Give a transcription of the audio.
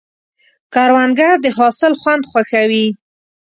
کروندګر د حاصل خوند خوښوي